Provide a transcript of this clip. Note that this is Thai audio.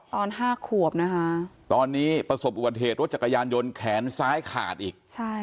ตอน๕ขวบนะคะตอนนี้ประสบอุบัติเหตุรถจักรยานยนต์แขนซ้ายขาดอีก